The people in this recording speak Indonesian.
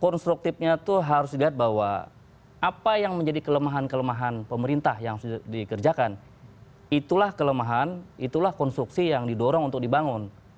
konstruktifnya itu harus dilihat bahwa apa yang menjadi kelemahan kelemahan pemerintah yang sudah dikerjakan itulah kelemahan itulah konstruksi yang didorong untuk dibangun